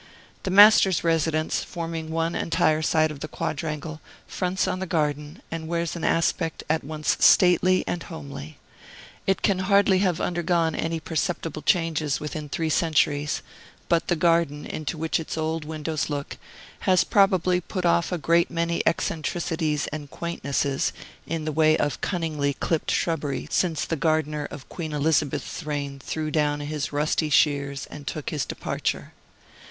The Master's residence, forming one entire side of the quadrangle, fronts on the garden, and wears an aspect at once stately and homely. It can hardly have undergone any perceptible change within three centuries; but the garden, into which its old windows look, has probably put off a great many eccentricities and quaintnesses, in the way of cunningly clipped shrubbery, since the gardener of Queen Elizabeth's reign threw down his rusty shears and took his departure.